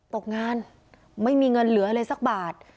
ตกงานไม่มีเงินเหลืออะไรสักบาท